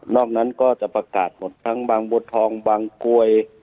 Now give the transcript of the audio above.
นั้นก็จะประกาศหมดทั้งบางบัวทองบางกรวย